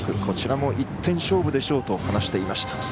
こちらも１点勝負でしょうと話していました。